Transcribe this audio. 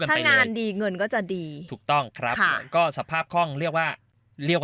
มาควบคู่กันไป